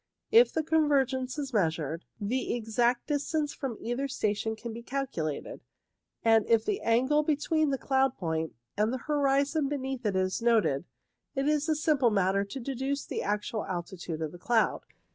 If the convergence is measured, the exact distance from either station can be calculated, and if the angle between the cloud point and the horizon beneath it is noted, it is a simple matter to deduce the actual altitude of the cloud.